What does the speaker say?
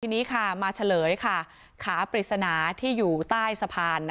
ทีนี้ก็มาเฉลยขาพริษณาที่อยู่ใต้สภาน